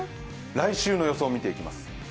来週の予想を見ていきます。